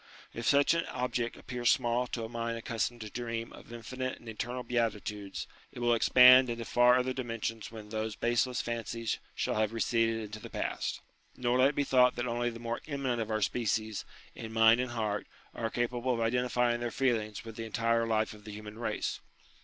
If such an object appears small to a mind accustomed to dream of infinite and eternal beatitudes, it will expand into far other dimensions when those baseless fancies shall have receded into the past. Nor let it be thought that only the more eminent of our species, in mind and heart, are capable of identifying their feelings with the entire life of the human race.